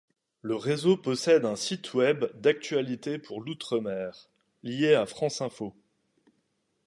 Le réseau possède un site web d'actualités pour l'outre-mer, lié à France Info.